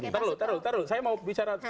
taruh taruh taruh saya mau bicara fakta dulu